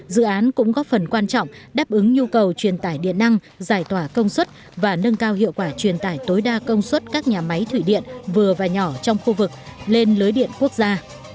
dự án cũng góp phần quan trọng đáp ứng nhu cầu truyền tải điện năng giải tỏa công suất và nâng cao hiệu quả truyền tải tối đa công suất các nhà máy thủy điện vừa và nhỏ trong khu vực lên lưới điện quốc gia